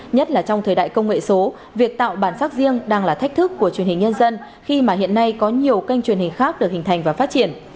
nhất là trong thời đại công nghệ số việc tạo bản sắc riêng đang là thách thức của truyền hình nhân dân khi mà hiện nay có nhiều kênh truyền hình khác được hình thành và phát triển